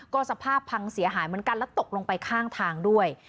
ก็สภาพพังเสียหายเหมือนกันแล้วตกลงไปข้างทางด้วย